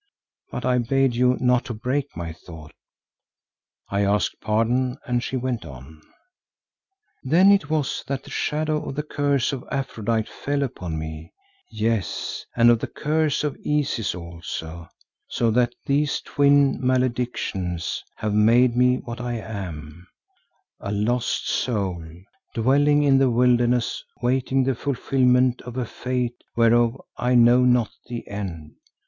But I bade you not to break my thought." I asked pardon and she went on, "Then it was that the shadow of the curse of Aphrodite fell upon me, yes, and of the curse of Isis also, so that these twin maledictions have made me what I am, a lost soul dwelling in the wilderness waiting the fulfilment of a fate whereof I know not the end.